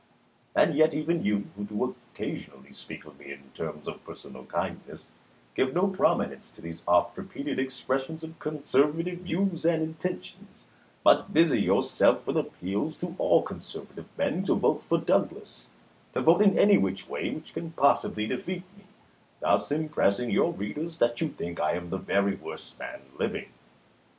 And yet even you, who do occasionally speak of me in terms of personal kindness, give no prominence to these oft repeated expressions of conservative views and intentions, but busy yourself with appeals to all conserva tive men to vote for Douglas, — to vote any way which can possibly defeat me, — thus impressing your readers that you think I am the very worst man living.